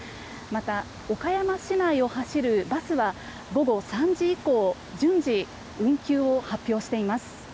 また、岡山市内を走るバスは午後３時以降順次、運休を発表しています。